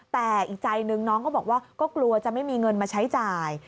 แต่อีกใจหนึ่งน้องก็บอกว่าก็กลัวจะไม่มีเงินมาใช้จ่าย